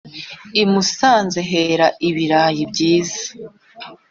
i musanze hera ibirayi byiza